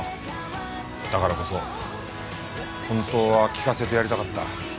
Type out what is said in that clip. だからこそ本当は聴かせてやりたかった。